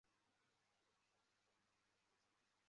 属川滇边务大臣管辖。